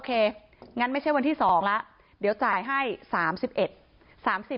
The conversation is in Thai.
เพราะไม่มีเงินไปกินหรูอยู่สบายแบบสร้างภาพ